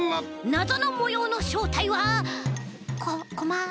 なぞのもようのしょうたいはココマコマ。